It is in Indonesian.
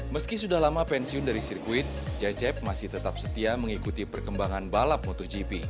meski sudah lama pensiun dari sirkuit cecep masih tetap setia mengikuti perkembangan balap motogp